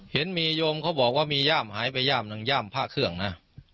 เห็นมีโยมเขาบอกว่ามีย่ามหายไปย่ามหนึ่งย่ามพระเครื่องนะ